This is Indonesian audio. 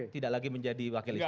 tidak lagi menjadi wakil itu